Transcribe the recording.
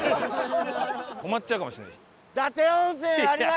止まっちゃうかもしれないでしょ。